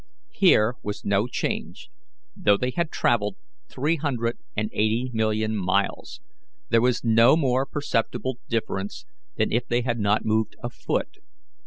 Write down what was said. Here was no change; though they had travelled three hundred and eighty million miles, there was no more perceptible difference than if they had not moved a foot.